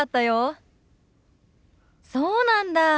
そうなんだ。